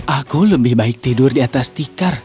aku lebih baik tidur di atas tikar